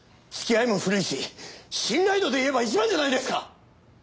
つきあいも古いし信頼度でいえばいちばんじゃないですか。